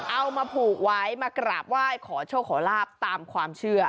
เอามาผูกไว้มากราบไหว้ขอโชคขอลาบตามความเชื่อ